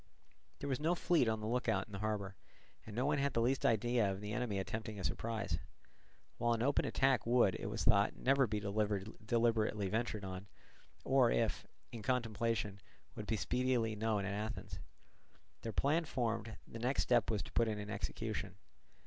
There was no fleet on the look out in the harbour, and no one had the least idea of the enemy attempting a surprise; while an open attack would, it was thought, never be deliberately ventured on, or, if in contemplation, would be speedily known at Athens. Their plan formed, the next step was to put it in execution.